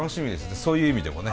そういう意味でもね。